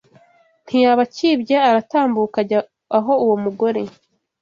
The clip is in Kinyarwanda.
Ntiyaba akibye aratambuka ajya aho uwo mugore